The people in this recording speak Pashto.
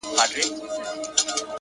اخلاص د نیک عمل ارزښت ساتي.